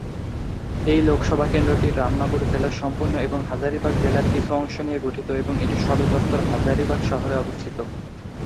এই লোকসভা কেন্দ্রটি রামগড় জেলার সম্পূর্ণ এবং হাজারিবাগ জেলার কিছু অংশ নিয়ে গঠিত এবং এটির সদর দফতর হাজারিবাগ শহরে অবস্থিত।